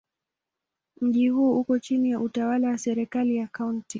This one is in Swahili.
Mji huu uko chini ya utawala wa serikali ya Kaunti.